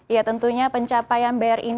ya tentunya pencapaian bri ini